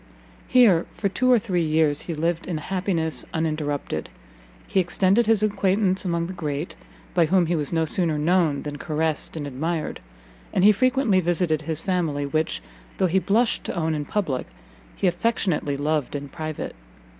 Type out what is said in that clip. Here, for two or three years, he lived in happiness uninterrupted; he extended his acquaintance among the great, by whom he was no sooner known than caressed and admired, and he frequently visited his family, which, though he blushed to own in public, he affectionately loved in private.